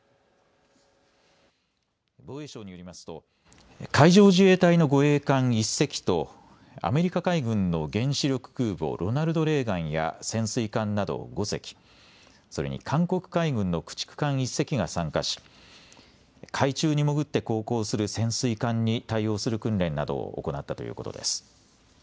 防衛省によりますと海上自衛隊の護衛艦１隻とアメリカ海軍の原子力空母、ロナルド・レーガンや潜水艦など５隻、それに韓国海軍の駆逐艦１隻が参加し海中に潜って航行する潜水艦に対応する訓練などを行ったということです。